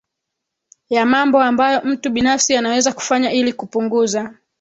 ya mambo ambayo mtu binafsi anaweza kufanya ili kupunguza